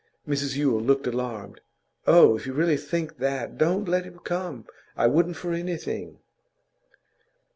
Mrs Yule looked alarmed. 'Oh, if you really think that, don't let him come. I wouldn't for anything.